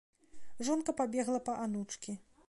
Жонка пабегла па анучкі.